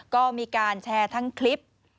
ก็มีการแชร์ทั้งคลิป